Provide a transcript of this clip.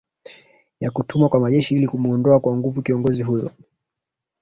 ya kutumwa kwa majeshi ili kumuondoa kwa nguvu kiongozi huyo